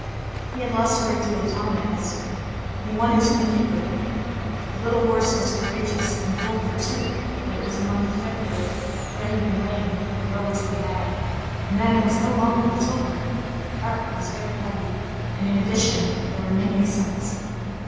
He had lost a great deal of time at Hesdin. He wanted to make it good. The little horse was courageous, and pulled for two; but it was the month of February, there had been rain; the roads were bad. And then, it was no longer the tilbury. The cart was very heavy, and in addition, there were many ascents.